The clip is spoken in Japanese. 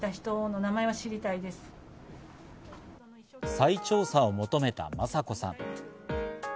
再調査を求めた雅子さん。